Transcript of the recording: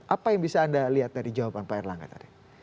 apa yang bisa anda lihat dari jawaban pak erlangga tadi